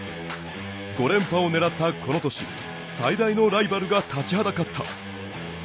５連覇を狙ったこの年最大のライバルが立ちはだかった。